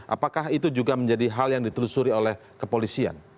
apakah itu juga menjadi hal yang ditelusuri oleh kepolisian